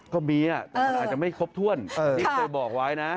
ก็มีแต่มันอาจจะไม่ครบถ้วนที่เคยบอกไว้นะ